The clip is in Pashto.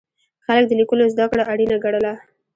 خلک د لیکلو زده کړه اړینه ګڼله.